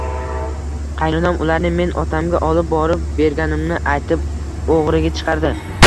Qaynonam ularni men otamga olib borib berganimni aytib, o`g`riga chiqardi